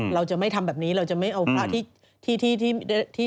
เราจะไม่ทำแบบนี้เราจะไม่เอาพระที่